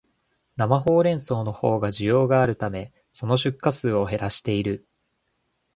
生ホウレンソウのほうが需要があるため、その出荷数を減らしている